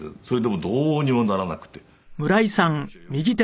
それでもどうにもならなくて。